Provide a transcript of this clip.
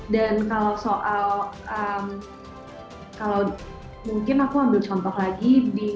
dan kalau soal mungkin aku ambil contoh lagi